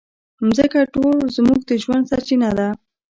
مځکه زموږ د ژوند سرچینه ده.